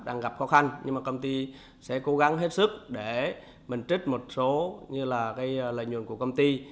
đang gặp khó khăn nhưng mà công ty sẽ cố gắng hết sức để mình trích một số như là cái lợi nhuận của công ty